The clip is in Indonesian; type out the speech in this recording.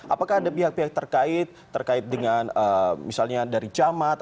apakah ada pihak pihak terkait terkait dengan misalnya dari camat